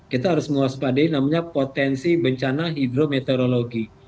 kita harus menguas padai namanya potensi bencana hidrometeorologi